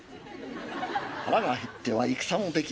腹が減っては戦もできぬたとえ。